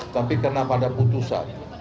tapi karena pada putusan